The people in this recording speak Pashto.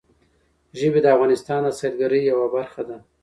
ژبې د افغانستان د سیلګرۍ یوه برخه ده.